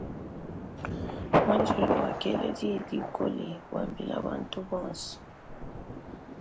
Muanjelo wakela diyi dikole wambila bantu bonso.